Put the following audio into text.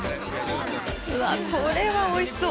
うわ、これはおいしそう。